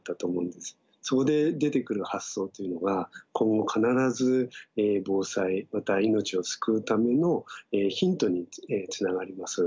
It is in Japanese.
そこで出てくる発想っていうのが今後必ず防災また命を救うためのヒントにつながります。